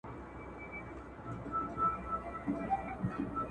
زه له سهاره لاس پرېولم،